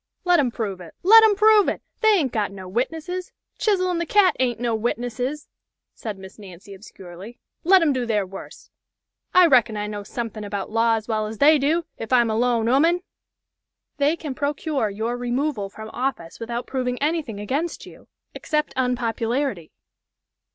"Let 'em prove it! Let 'em prove it! They ain't got no witnesses! Chizzle and the cat ain't no witnesses," said Miss Nancy, obscurely; "let 'em do their worse! I reckon I know something about law as well as they do! if I am a lone 'oman!" "They can procure your removal from office without proving anything against you except unpopularity."